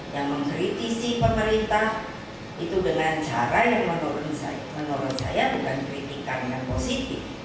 yang mengkritisi pemerintah itu dengan cara yang menurut saya bukan kritikan yang positif